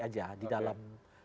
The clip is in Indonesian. aja di dalam